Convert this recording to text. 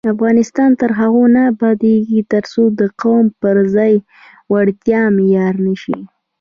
افغانستان تر هغو نه ابادیږي، ترڅو د قوم پر ځای وړتیا معیار نشي.